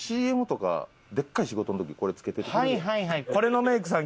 ＣＭとかでっかい仕事の時これつけててくれるやん。